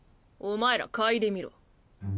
お前ら嗅いでみろ。